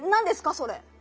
それ。